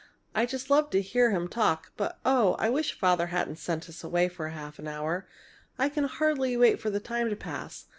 I just love to hear him talk. But oh, I wish Father hadn't sent us away for half an hour! I can hardly wait for the time to pass!